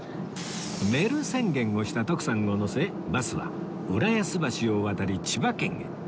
寝る宣言をした徳さんを乗せバスは浦安橋を渡り千葉県へ